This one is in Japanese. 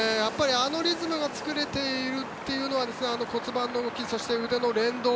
あのリズムが作れているというのは骨盤の動きそして、腕の連動